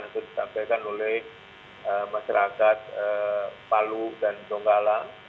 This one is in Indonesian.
apa yang disampaikan oleh masyarakat palu dan donggala